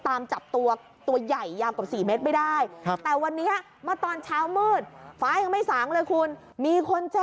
ตรงวัดเห็นไต้เที่ยงเขาเบือกนี่นะคะ